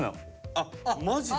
あマジで？